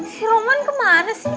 si roman kemana sih